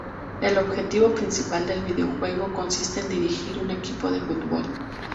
El objetivo principal del videojuego consiste en dirigir un equipo de fútbol.